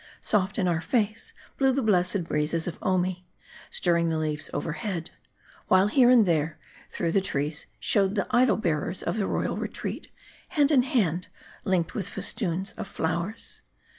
Soft in our face, blew the blessed breezes of Omi, stirring the leaves overhead ; while, here and there, through the trees, showed the idol bearers of the royal retreat, hand in hand, linked with festoons of flowers.